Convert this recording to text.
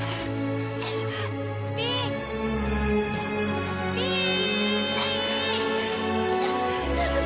ピー、ピー！